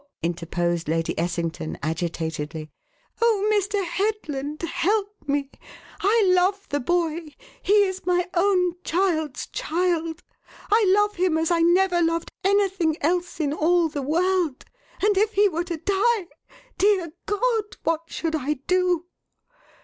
interposed Lady Essington, agitatedly. "Oh, Mr. Headland, help me! I love the boy he is my own child's child. I love him as I never loved anything else in all the world; and if he were to die Dear God! what should I do?